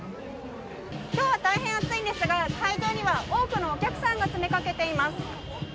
今日は大変暑いんですが会場には多くのお客さんが詰めかけています。